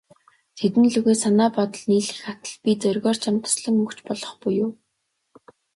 Тэдэн лүгээ санаа бодол нийлэх атал, би зоригоор чамд таслан өгч болох буюу.